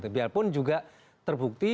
biarpun juga terbukti